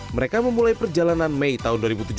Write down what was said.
mereka memulai perjalanan mei tahun dua ribu tujuh belas